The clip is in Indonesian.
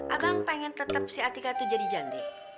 abang pengen tetap si atika itu jadi jande